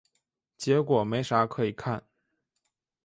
结果没啥可以看